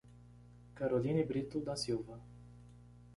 Caroline Brito da Silva